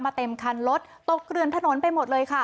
เต็มคันรถตกเกลือนถนนไปหมดเลยค่ะ